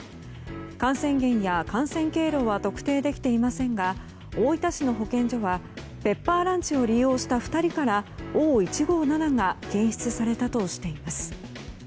感染源や感染経路は特定できていませんが大分市の保健所はペッパーランチを利用した２人からＯ１５７が検出されたとしています。